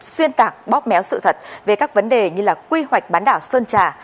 xuyên tạc bóp méo sự thật về các vấn đề như là quy hoạch bán đảo sơn trà